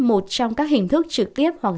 một trong các hình thức trực tiếp hoặc